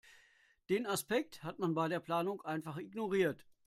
Den Aspekt hat man bei der Planung einfach ignoriert.